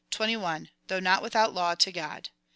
Though not without law to God.